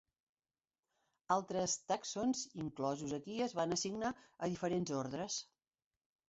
Altres tàxons inclosos aquí es van assignar a diferents ordres.